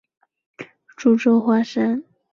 后徙苏州花山。